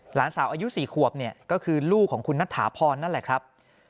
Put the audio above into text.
หลานสาวอายุ๔ขวบเนี่ยก็คือลูกของคุณนัทถาพรนั่นแหละครับ